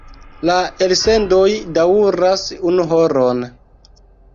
La elsendoj daŭras unu horon.